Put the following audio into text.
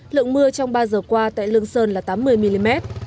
lượng mưa trong ba giờ qua tại lương sơn là tám mươi mm